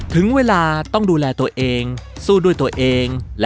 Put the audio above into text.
ถึงเวลาต้องดูแลตัวเองสู้ด้วยตัวเอง